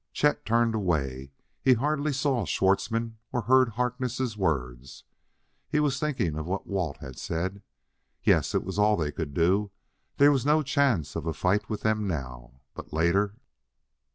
Chet turned away; he hardly saw Schwartzmann or heard Harkness' words. He was thinking of what Walt had said. Yes, it was all they could do; there was no chance of a fight with them now. But later!